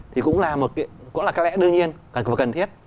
thì cũng là lẽ đương nhiên cần thiết